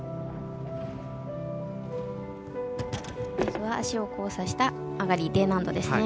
まずは足を交差した上がりＤ難度ですね。